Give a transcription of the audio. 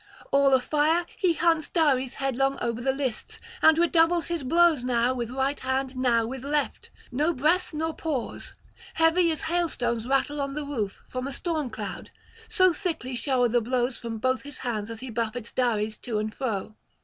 All afire, he hunts Dares headlong over the lists, and redoubles his blows now with right hand, now with left; no breath nor pause; heavy as hailstones rattle on the roof from a storm cloud, so thickly shower the blows from both his hands as he buffets Dares to and fro.